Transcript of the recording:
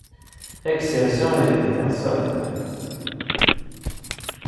Ad k-sserseɣ deg teɣsert.